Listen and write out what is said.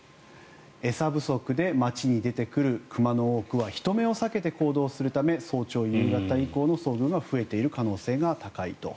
餌不足で街に出てくる熊の多くは人目を避けて行動するため早朝・夕方以降の遭遇が増えている可能性が高いと。